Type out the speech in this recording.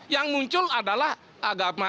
yang muncul adalah agama